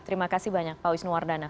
terima kasih banyak pak wisnu wardana